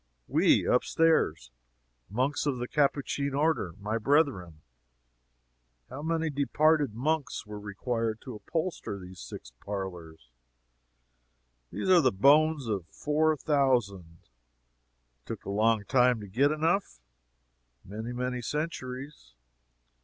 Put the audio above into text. "We up stairs Monks of the Capuchin order my brethren." "How many departed monks were required to upholster these six parlors?" "These are the bones of four thousand." "It took a long time to get enough?" "Many, many centuries."